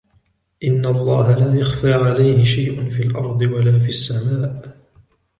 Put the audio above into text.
إِنَّ اللَّهَ لَا يَخْفَى عَلَيْهِ شَيْءٌ فِي الْأَرْضِ وَلَا فِي السَّمَاءِ